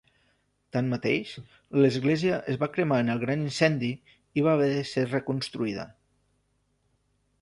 Tanmateix, l'església es va cremar en el gran incendi i va haver de ser reconstruïda.